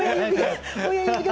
親指が。